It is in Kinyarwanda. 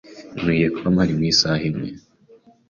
Nkwiye kuba mpari mu isaha imwe.